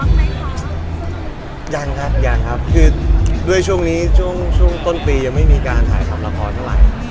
ยังครับยังครับคือด้วยช่วงนี้ช่วงช่วงต้นปียังไม่มีการถ่ายทำละครเท่าไหร่